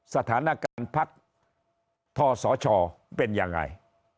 สถานการณ์พักทศชเป็นยังไง